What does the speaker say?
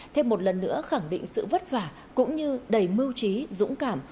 thêm một lần nữa khẳng định sự vất vả cũng như đầy mưu trí dũng cảm